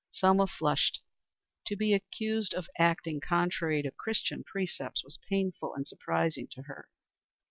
Selma flushed. To be accused of acting contrary to Christian precepts was painful and surprising to her.